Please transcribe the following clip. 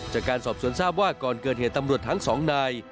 จากการสอบสวนทราบว่าก่อนเกิดเหตุตำรวจทั้งสองนาย